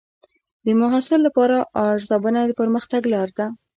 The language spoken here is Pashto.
د محصل لپاره ارزونه د پرمختګ لار ده.